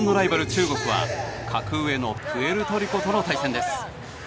中国は格上のプエルトリコとの対戦です。